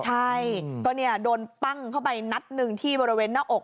ใช่ก็โดนปั้งเข้าไปนัดหนึ่งที่บริเวณหน้าอก